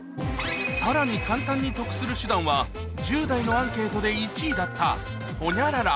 さらに簡単に得する手段は１０代のアンケートで１位だったホニャララ